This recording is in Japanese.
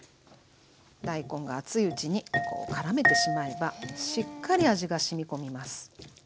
大根が熱いうちにこうからめてしまえばしっかり味がしみ込みます。